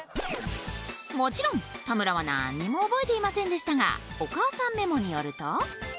もちろん田村はなんにも覚えていませんでしたがお母さんメモによると。